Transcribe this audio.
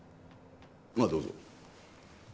まあどうぞ。